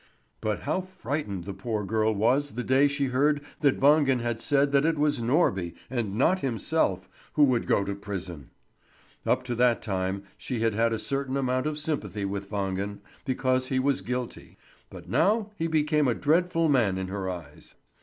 But how frightened the poor girl was the day she heard that Wangen had said that it was Norby, and not himself, who would go to prison. Up to that time she had had a certain amount of sympathy with Wangen, because he was guilty; but now he became a dreadful man in her eyes.